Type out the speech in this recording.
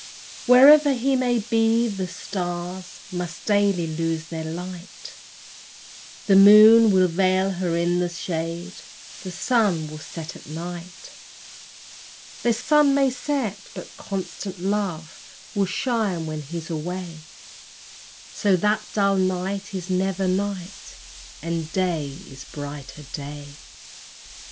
Wherever he may be, the stars Must daily lose their light; The moon will veil her in the shade; The sun will set at night. The sun may set, but constant love Will shine when he's away; So that dull night is never night, And day is brighter day.